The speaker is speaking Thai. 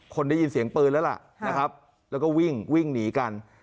คนได้ยินเสียงปืนแล้วล่ะแล้วก็วิ่งหนีกัน